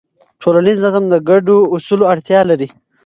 ټولنیز نظم د ګډو اصولو اړتیا لري.